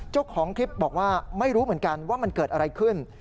เจ้าของคลิปบอกว่าไม่รู้เหมือนกันว่ามันเกิดอะไรขึ้น